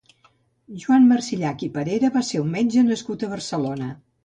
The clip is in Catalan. Joan Marsillach i Parera va ser un metge nascut a Barcelona.